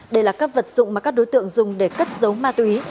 đây là các vật dụng mà các đối tượng dùng để cất giấu ma túy